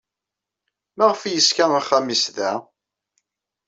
Maɣef ay yeṣka axxam-nnes da?